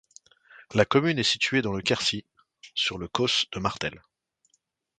La commune est située dans le Quercy, sur le Causse de Martel.